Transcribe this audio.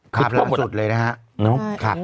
คราบล้านสุดเลยนะฮะ